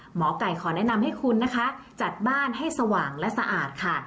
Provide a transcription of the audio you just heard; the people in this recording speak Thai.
หมอไก่ขอแนะนำให้คุณนะคะจัดบ้านให้สว่างและสะอาดค่ะ